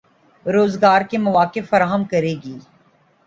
روزگار کے مواقع فراہم کرے گی